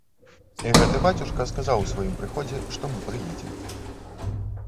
І гэты бацюшка сказаў у сваім прыходзе, што мы прыедзем.